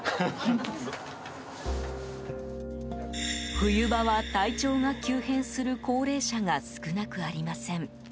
冬場は体調が急変する高齢者が少なくありません。